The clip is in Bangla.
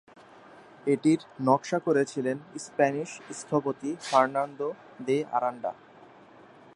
এটির নকশা করেছিলেন স্প্যানিশ স্থপতি ফার্নান্দো দে আরান্ডা।